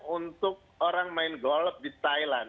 untuk orang main golf di thailand